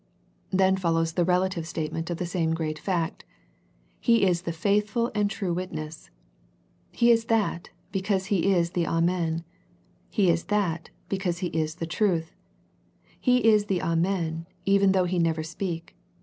Then follows the relative statement of the same great fact. " He is the faithful and true witness." He is that, because He is the Amen. He is that, because He is the truth. He is the Amen, even though He never speak.